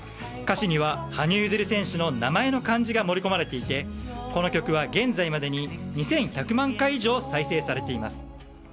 歌詞には羽生結弦選手の名前の漢字が盛り込まれていてこの曲は現在までに２１００万回以上再生されています。